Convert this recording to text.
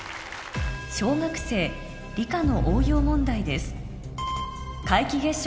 小学生理科の応用問題です